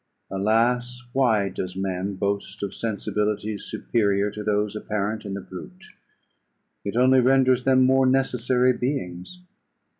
Alas! why does man boast of sensibilities superior to those apparent in the brute; it only renders them more necessary beings.